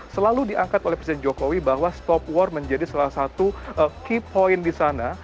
selalu diangkat oleh presiden jokowi bahwa stop war menjadi salah satu key point di sana